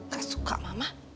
gak suka mama